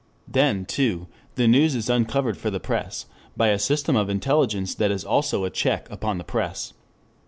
Then, too, the news is uncovered for the press by a system of intelligence that is also a check upon the press.